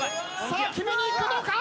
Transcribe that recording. さあ決めにいくのか！？